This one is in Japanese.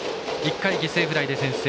１回、犠牲フライで先制。